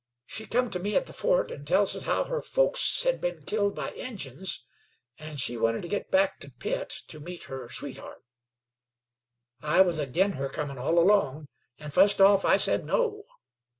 She come to me at the fort, an' tells as how her folks hed been killed by Injuns, an' she wanted to git back to Pitt to meet her sweetheart. I was ag'in her comin' all along, an' fust off I said 'No.'